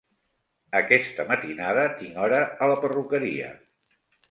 Aquesta matinada tinc hora a la perruqueria.